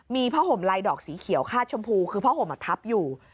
มีผ้าห่มลายดอกสีเขียวคาดชมพูคือผ้าห่มทับอยู่